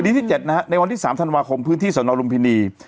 คดีที่เจ็ดนะครับในวันที่สามธันวาคมพื้นที่สนองลุมพินี